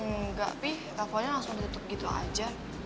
enggak pi telponnya langsung ditutup gitu aja